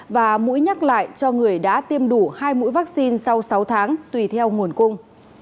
và mũi nhắc lại cho người đã tiêm đủ hai mũi vaccine sau sáu tháng tùy theo nguồn cung